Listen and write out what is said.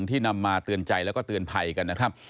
นำมาเตือนใจแล้วก็เตือนภัยกันนะครับ